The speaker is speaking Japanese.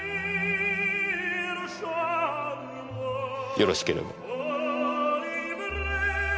よろしければ。